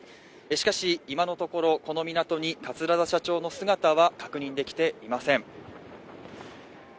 しかし、今のところ、この港に桂田社長の姿は確認できていません。